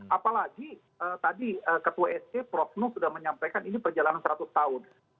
apalagi tadi ketua sd prof nu sudah menyampaikan ini perjalanan seratus tahun